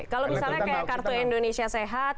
kalau misalnya kayak kartu indonesia sehat